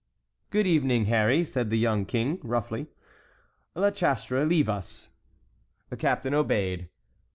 "Good evening, Harry," said the young King, roughly. "La Chastre, leave us." The captain obeyed.